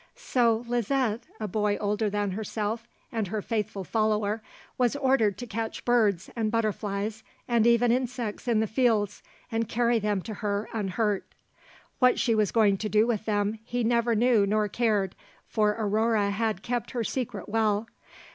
So Liset, a boy older than herself and her faithful follower, was ordered to catch birds and butterflies and even insects in the fields, and carry them to her, unhurt. What she was going to do with them, he neither knew nor cared, for Aurore had kept her secret well.